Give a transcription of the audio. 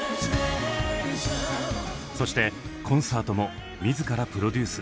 そしてコンサートも自らプロデュース。